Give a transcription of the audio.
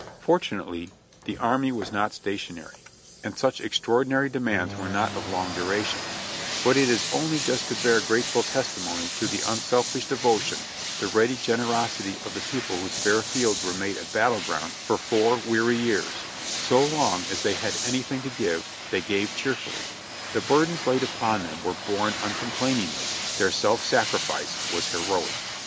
Fortunately the army was not stationary, and such 44 JOHNNY REB AND BILLY YANK extraordinary demands were not of long duration ; but it is only just to bear grateful testimony to the unselfish devotion, the ready generosity of the people whose fair fields were made a battle ground for four weary years; so long as they had anything to give, they gave cheerfully; the burdens laid upon them were borne Uncomplainingly, their self sacrifice was heroic.